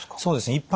そうですね。